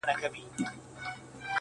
تاسي له خدایه سره څه وکړل کیسه څنګه سوه~